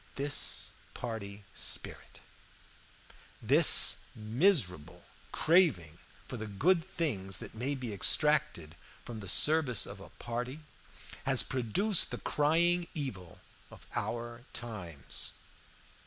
"This party spirit, this miserable craving for the good things that may be extracted from the service of a party, has produced the crying evil of our times.